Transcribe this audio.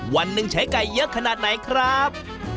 วันหนึ่งใช้ไก่เยอะขนาดไหนครับ